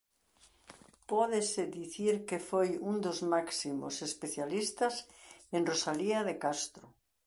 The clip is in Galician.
Pódese dicir que foi un dos máximos especialistas en Rosalía de Castro.